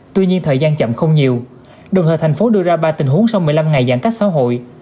tuy nhiên thời gian chậm không nhiều đồng thời thành phố đưa ra ba tình huống sau một mươi năm ngày giãn cách xã hội